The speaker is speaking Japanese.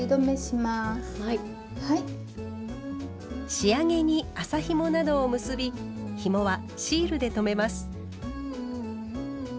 仕上げに麻ひもなどを結びひもはシールで留めます。